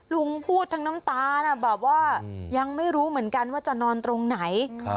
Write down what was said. ลุงพูดทั้งน้ำตานะแบบว่ายังไม่รู้เหมือนกันว่าจะนอนตรงไหน